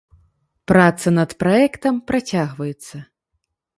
Праца над праектам працягваецца.